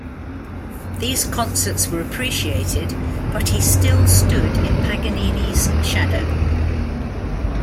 These concerts were appreciated, but he still stood in Paganini's shadow.